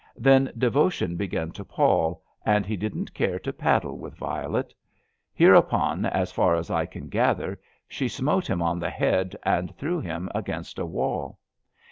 Then devotion began to pall, and he didn't care to paddle with Violet. Hereupon, as far as I can gather, she smote him on the head and threw him against a wall.